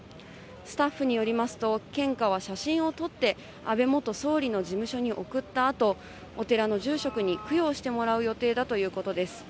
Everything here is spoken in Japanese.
スタッフによりますと、献花は写真を撮って、安倍元総理の事務所に送ったあと、お寺の住職に供養してもらう予定だということです。